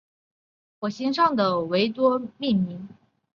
火星上的维诺格拉多夫撞击坑也以他的名字命名。